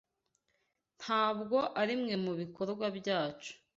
Ntabwo arimwe mubikorwa byacu.